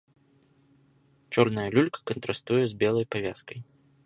Чорная люлька кантрастуе з белай павязкай.